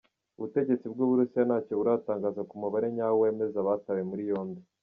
Ubutegetsi bw’u Burusiya ntacyo buratangaza ku mubare nyawo wemeza abatawe muri yombi.